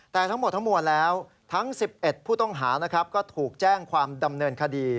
แต่ทั้งหมดทั้งมวลแล้วทั้ง๑๑ผู้ต้องหานะครับก็ถูกแจ้งความดำเนินคดี